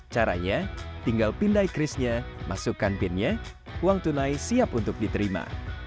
caranya tinggal pindai chris nya masukkan pin nya uang tunai siap untuk diterima